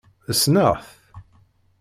Ssneɣ-t.